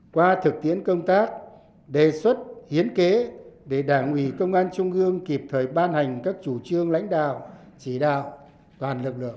qua thực tiễn công tác đề xuất hiến kế để đảng ủy công an trung ương kịp thời ban hành các chủ trương lãnh đạo chỉ đạo toàn lực lượng